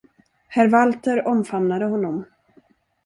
Herr Walter omfamnade honom.